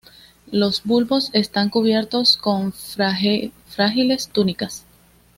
Los bulbos están cubiertos con frágiles túnicas.